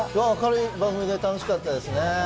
明るい番組で楽しかったですね。